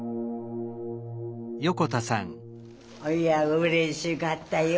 うれしかったよ。